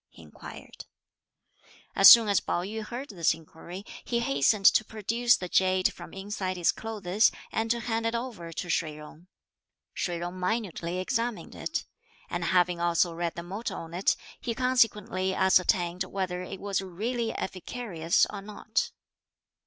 he inquired. As soon as Pao yü heard this inquiry, he hastened to produce the jade from inside his clothes and to hand it over to Shih Jung. Shih Jung minutely examined it; and having also read the motto on it, he consequently ascertained whether it was really efficacious or not.